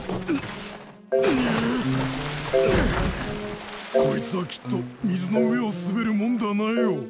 こいつはきっと水の上を滑るもんだなよ。